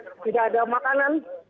tidak ada makanan